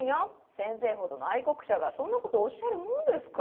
先生ほどの愛国者がそんなことおっしゃるもんですか。